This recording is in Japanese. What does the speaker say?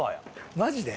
マジで？